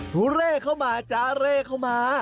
เฮ้อเร่เข้ามาจ้ะเตร่เข้ามา